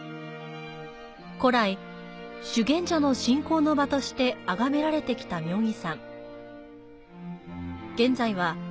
古来、修験者の信仰の場としてあがめられてきた妙義山。